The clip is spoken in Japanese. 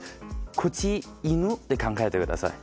こっち犬で考えてください。